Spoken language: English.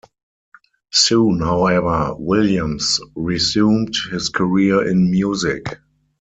Soon, however, Williams resumed his career in music.